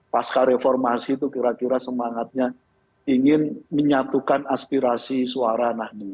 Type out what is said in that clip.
pasca reformasi itu kira kira semangatnya ingin menyatukan aspirasi suara nahdi